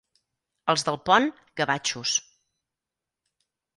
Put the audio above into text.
Els del Pont, gavatxos.